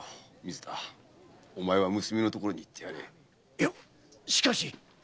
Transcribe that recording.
いやしかし！